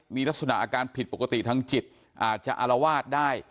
มีลักษณะอาการผิดปกติทางจิตอาจจะอารวาสได้